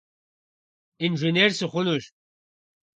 Инженер сыхъунущ.